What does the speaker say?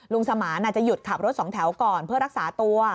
สมานจะหยุดขับรถสองแถวก่อนเพื่อรักษาตัว